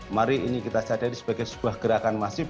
mari ini kita sadari sebagai sebuah gerakan masif